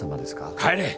帰れ。